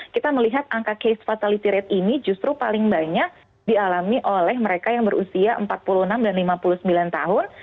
kita melihat angka case fatality rate ini justru paling banyak dialami oleh mereka yang berusia empat puluh enam dan lima puluh sembilan tahun